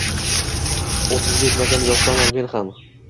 O’ttizga yetmagan yoshdaman men ham.